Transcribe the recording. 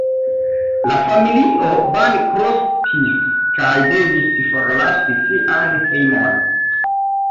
La familio bankrotis kaj devis forlasi sian hejmon.